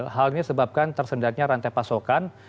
hal ini sebabkan tersendatnya rantai pasokan